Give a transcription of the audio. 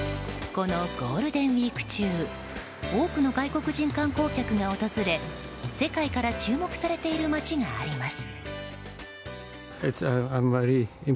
このゴールデンウィーク中多くの外国人観光客が訪れ世界から注目されている街があります。